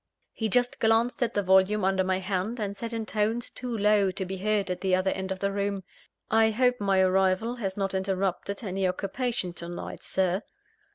He just glanced at the volume under my hand, and said in tones too low to be heard at the other end of the room: "I hope my arrival has not interrupted any occupation to night, Sir.